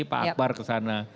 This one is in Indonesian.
pak akbar ke sana